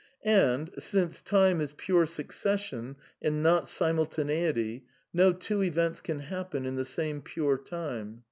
And, since Time is pure succession and not simulta neity, no two events can happen in the same pure Time.